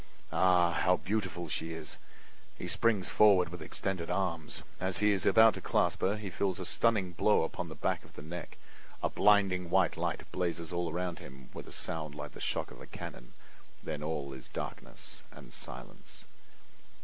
Ah, how beautiful she is! He springs forwards with extended arms. As he is about to clasp her he feels a stunning blow upon the back of the neck; a blinding white light blazes all about him with a sound like the shock of a cannon—then all is darkness and silence!